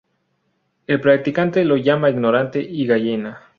El practicante lo llama ignorante y gallina.